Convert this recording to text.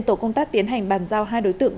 tổ công tác tiến hành bàn giao hai đối tượng